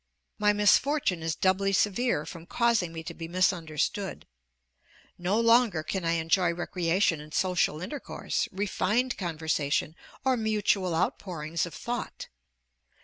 My misfortune is doubly severe from causing me to be misunderstood. No longer can I enjoy recreation in social intercourse, refined conversation, or mutual outpourings of thought.